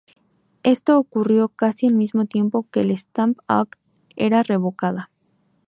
Esto ocurrió casi al mismo tiempo que el Stamp Act era revocada.